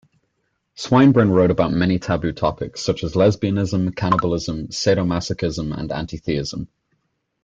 Swinburne wrote about many taboo topics, such as lesbianism, cannibalism, sado-masochism, and anti-theism.